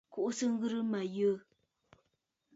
Kùʼùsə ŋghɨrə mə̀ yə̂!